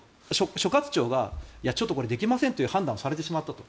所轄庁がちょっとこれできませんという判断をされてしまったと。